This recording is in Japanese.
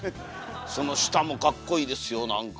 その下もかっこいいですよなんか。